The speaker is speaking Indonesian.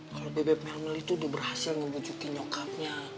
kalo bebek melmel itu udah berhasil ngebujukin nyokapnya